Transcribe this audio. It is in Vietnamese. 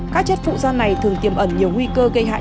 các chất phụ da này thường tiêm ẩn nhiều nguy cơ gây hại